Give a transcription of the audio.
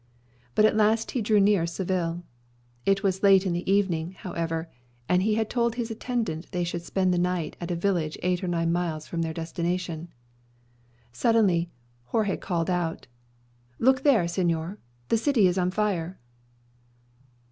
But at last he drew near Seville. It was late in the evening, however, and he had told his attendant they should spend the night at a village eight or nine miles from their destination. Suddenly Jorge cried out. "Look there, señor, the city is on fire."